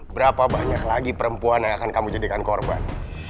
berapa banyak lagi perempuan yang akan kamu jadikan korban